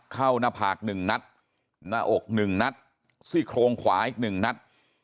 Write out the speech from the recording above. เข้าหน้าผากหนึ่งนัดหน้าอกหนึ่งนัดซี่โครงขวาอีกหนึ่งนัด